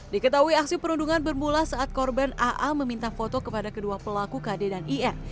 diketahui aksi perundungan bermula saat korban aa meminta foto kepada kedua pelaku kd dan ir